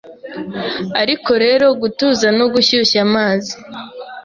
Ariko rero gutuza no gushyushya amazi